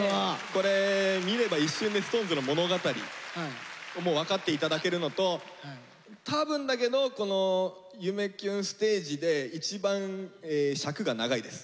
これ見れば一瞬でＳｉｘＴＯＮＥＳの物語分かって頂けるのと多分だけどこの「夢キュンステージ」で一番尺が長いです。